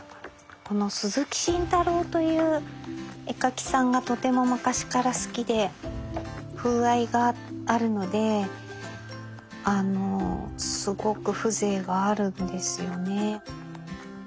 この鈴木信太郎という絵描きさんがとても昔から好きで風合いがあるのですごく風情があるんですよね。